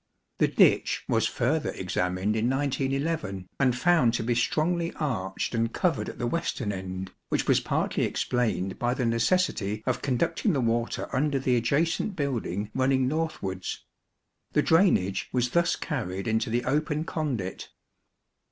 The ditch was further examined in 1911, and found to be strongly arched and covered at the western end, which was partly explained by the necessity of conducting the water under the adjacent building running northwards. The drainage was thus carried into the open conduit.